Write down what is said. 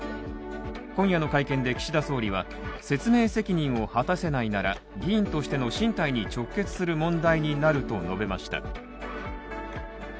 今夜の会見で岸田総理は説明責任を果たせないなら、議員としての進退に直結する問題になると述べました